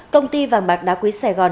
công ty vàng bạc đá quý sài gòn